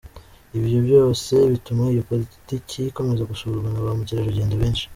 Ibyo byose bituma iyo Pariki ikomeza gusurwa na ba mukerarugendo benshi.